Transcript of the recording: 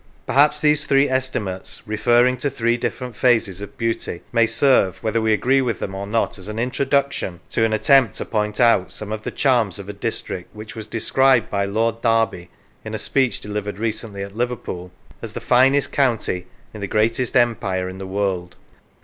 Perhaps these three estimates, referring to three different phases of beauty, may serve, whether we agree with them or not, as an introduction to an Lancashire attempt to point out some of the charms of a district which was described by Lord Derby, in a speech delivered recently at Liverpool, as the finest county in the greatest empire in the world.